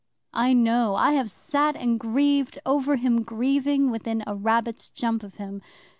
I know! I have sat and grieved over him grieving within a rabbit's jump of him.